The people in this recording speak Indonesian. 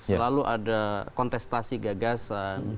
selalu ada kontestasi gagasan